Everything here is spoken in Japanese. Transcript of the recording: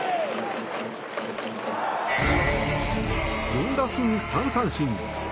４打数３三振。